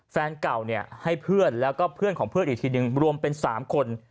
แฟนเก่าเนี่ยให้เพื่อนแล้วก็เพื่อนของเพื่อนอีกทีนึงรวมเป็น๓คน